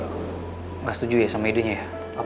tidak setuju ya sama idenya ya